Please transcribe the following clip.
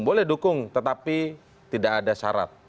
boleh dukung tetapi tidak ada syarat